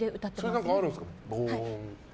防音とかあるんですか？